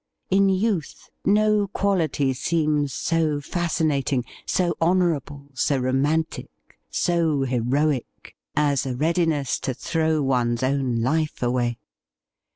In youth no quality seems so fascinating, so honour able, so romantic, so heroic, as a readiness to throw one's life away.